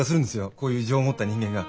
こういう情を持った人間が。